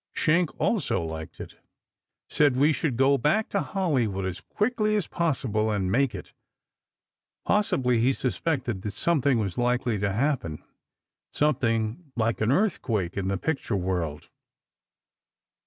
Schenck also liked it—said we should get back to Hollywood as quickly as possible, and make it. Possibly he suspected that something was likely to happen—something like an earthquake in the picture world.